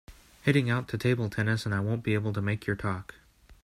Heading out to table tennis and I won’t be able to make your talk.